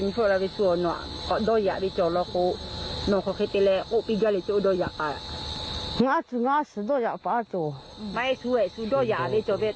ไม่รู้จะพูดยังไงล่ะเพราะว่าป้าไม่ได้ทำ